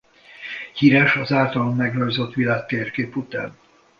Híres az általa megrajzolt világtérkép után.